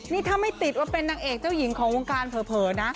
นี่ถ้าไม่ติดว่าเป็นนางเอกเจ้าหญิงของวงการเผลอนะ